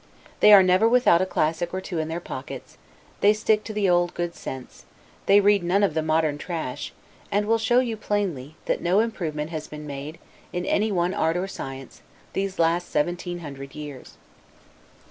They are never without a classic or two in their pockets; they stick to the old good sense; they read none of the modern trash; and will show you, plainly, that no improvement has been made, in any one art or science, these last seventeen hundred years.